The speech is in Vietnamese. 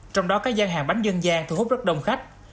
trong đó các gian hàng bánh dân gian thu hút rất đông khách